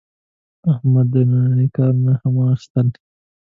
احمد د دندې کارونه هم واخیستل.